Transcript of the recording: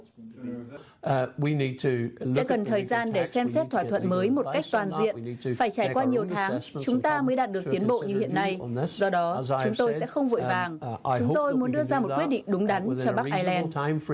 sẽ cần thời gian để xem xét thỏa thuận mới một cách toàn diện phải trải qua nhiều tháng chúng ta mới đạt được tiến bộ như hiện nay do đó chúng tôi sẽ không vội vàng chúng tôi muốn đưa ra một quyết định đúng đắn cho bắc ireland